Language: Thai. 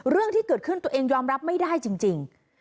เรื่องที่เกิดขึ้นตัวเองยอมรับไม่ได้จริง